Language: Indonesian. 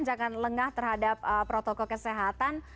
jangan lengah terhadap protokol kesehatan